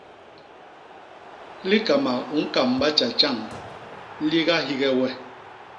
Likamak u ñkam batjatjañg li gahige we.